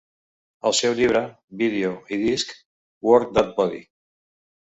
El seu llibre, vídeo i disc "Work that body"!